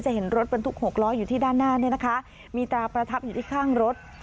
เห็นรถบรรทุก๖ล้ออยู่ที่ด้านหน้าเนี่ยนะคะมีตราประทับอยู่ที่ข้างรถ